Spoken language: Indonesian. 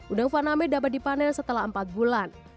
udang faname dapat dipanen setelah empat bulan